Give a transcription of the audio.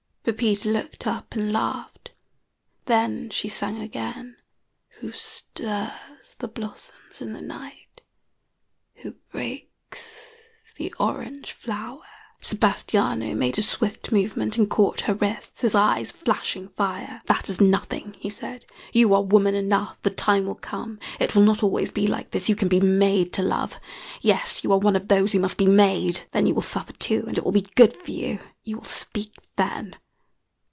Pepita looked up and laughed; then she sang again: "Who stirs the blossoms in the night, Who breaks the orange flower." Sebastiano made a swift movement and caught her wrists, his eyes flashing fire. "That is nothing," he said. "You are woman enough. The time will come. It will not be always like this. You can be made to love. Yes, you are one of those who must be made. Then you will suffer too, and it will be good for you. You will speak then."